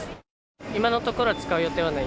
今のところは使う予定はない。